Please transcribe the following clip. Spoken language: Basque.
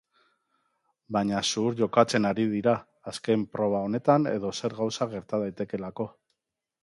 Baina zuhur jokatzen ari dira, azken proba honetan edozer gauza gerta daitekeelako.